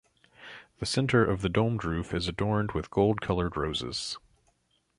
The centre of the domed roof is adorned with gold coloured roses.